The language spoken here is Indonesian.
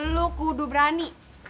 lu kudu berani